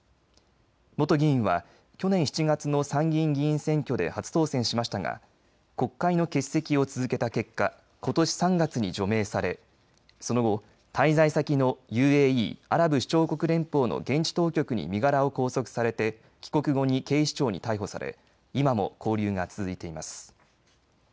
元議員は去年７月の参議院議員選挙で初当選しましたが国会の欠席を続けた結果、ことし３月に除名され、その後、滞在先のＵＡＥ・アラブ首長国連邦の現地当局に身柄を拘束されて帰国後に警視庁に逮捕され今も勾留が続いています。